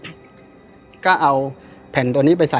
คืนที่๒ผ่านไปเป็นคืนที่๒พี่นัทก็โทรศัพท์เรียกพี่รอศพอโทรศัพท์เรียกพี่รอศปั๊บ